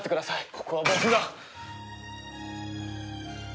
ここは僕が！